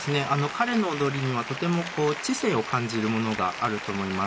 彼の踊りにはとても知性を感じるものがあると思います。